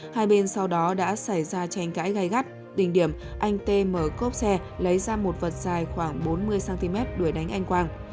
hai bên sau đó đã xảy ra tranh cãi gai gắt đỉnh điểm anh t mở cốp xe lấy ra một vật dài khoảng bốn mươi cm đuổi đánh anh quang